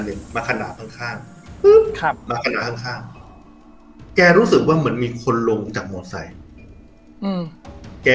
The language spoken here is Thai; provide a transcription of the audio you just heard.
นึงมาขนาดข้างแกรู้สึกว่าเหมือนมีคนลงจากโมไซย์แก